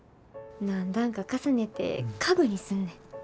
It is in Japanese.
何段か重ねて家具にすんねん。